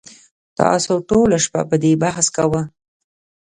تاسو ټوله شپه په دې بحث کاوه